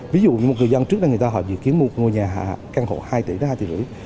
ví dụ như một người dân trước đây người ta họ dự kiến mua một ngôi nhà căn hộ hai tỷ đến hai tỷ rưỡi